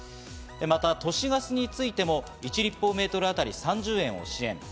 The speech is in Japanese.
また都市ガスについても１立方メートルあたり３０円を支援。